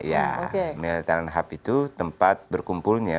ya millet talent hub itu tempat berkumpulnya